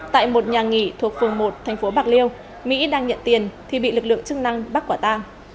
tại một nhà nghỉ thuộc phường một thành phố bạc liêu mỹ đang nhận tiền thì bị lực lượng chức năng bắt quả ta